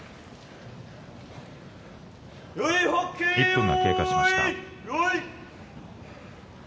１分が経過しました。